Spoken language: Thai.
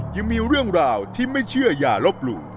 ยังมีเรื่องราวที่ไม่เชื่ออย่าลบหลู่